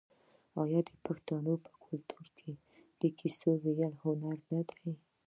آیا د پښتنو په کلتور کې د کیسو ویل هنر نه دی؟